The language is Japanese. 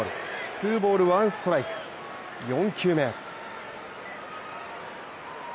ツーボール・ワンストライク４球目。